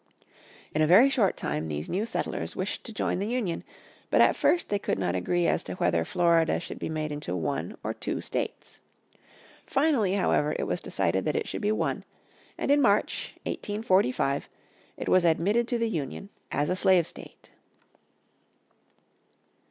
In a very short time these new settlers wished to join the Union, but at first they could not agree as to whether Florida should be made into one or two states. Finally, however, it was decided that it should be one, and in March, 1845, it was admitted to the Union as a slave state.